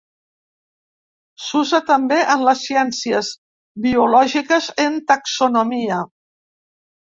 S'usa també en les ciències biològiques en taxonomia.